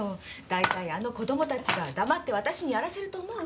大体あの子どもたちが黙って私にやらせると思う？